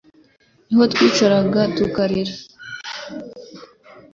ni ho twicaraga maze tukarira